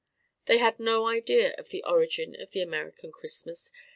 They had no idea of the origin of the American Christmas.